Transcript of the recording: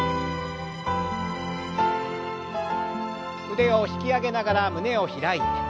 腕を引き上げながら胸を開いて。